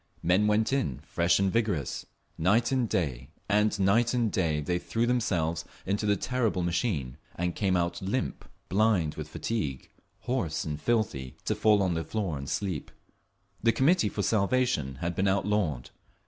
Men went in, fresh and vigorous; night and day and night and day they threw themselves into the terrible machine; and came out limp, blind with fatigue, hoarse and filthy, to fall on the floor and sleep…. The Committee for Salvation had been outlawed.